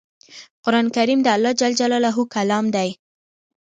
قرآن کریم د الله ج کلام دی